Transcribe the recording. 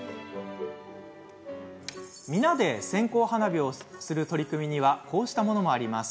皆で線香花火をする取り組みにはこうしたものも。